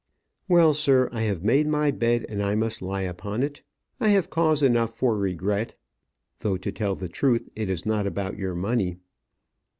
"Well, sir, I have made my bed, and I must lie upon it. I have cause enough for regret though, to tell the truth, it is not about your money."